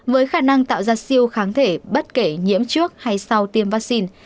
với khả năng tạo ra siêu kháng thể bất kể nhiễm trước hay sau tiêm vaccine